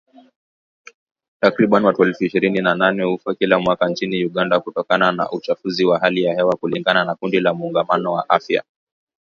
Takriban watu elfu ishirini na nane hufa kila mwaka nchini Uganda kutokana na uchafuzi wa hali ya hewa kulingana na kundi la Muungano wa Afya